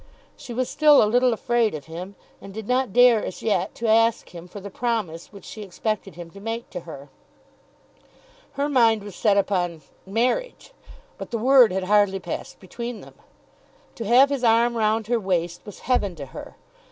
She was still a little afraid of him, and did not dare as yet to ask him for the promise which she expected him to make to her. Her mind was set upon marriage, but the word had hardly passed between them. To have his arm round her waist was heaven to her!